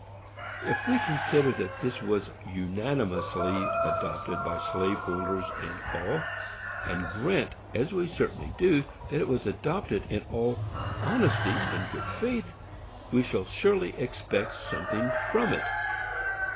If we consider that this was unanimously adopted by slave holders and all, and grant, as we certainly do, that it was adopted in all honesty and good faith, we shall surely expect something from it.